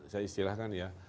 saya istilahkan ya